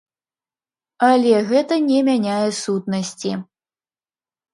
Але гэта не мяняе сутнасці.